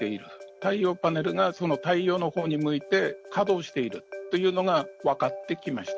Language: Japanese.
太陽パネルがその太陽の方に向いて稼働しているということが分かってきました。